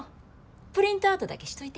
プリントアウトだけしといて。